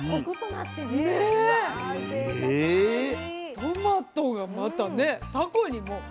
トマトがまたねタコにもすごい。